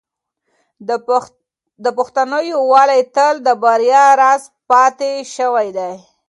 د پښتنو یووالی تل د بریا راز پاتې شوی دی.